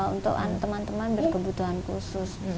untuk teman teman berkebutuhan khusus